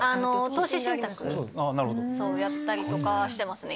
投資信託やったりとかしてますね。